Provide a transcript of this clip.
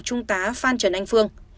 trung tá phan trần anh phương